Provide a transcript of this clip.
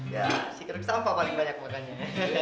ya si keruk sampah paling banyak makannya